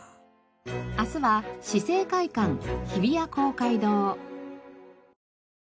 明日は市政会館・日比谷公会堂。